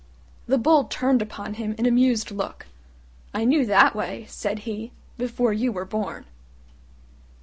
The Bull turned upon him an amused look. "I knew that way," said he, "before you were born."